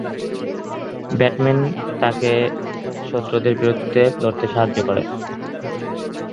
ব্যাটম্যানের তাকে শত্রুদের বিরুদ্ধে লড়তে সাহায্য করে।